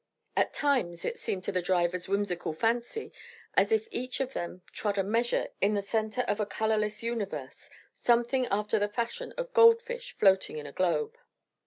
At times, it seemed to the driver's whimsical fancy as if each of them trod a measure in the centre of a colorless universe, something after the fashion of goldfish floating in a globe.